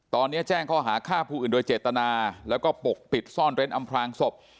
ตอนนี้แจ้งข้อหาฆ่าผู้อื่นโดยเจตนาแล้วก็ปกปิดซ่อนเร้นอำพลางศพ